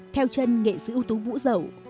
theo chân nghệ sĩ ưu tú vũ dậu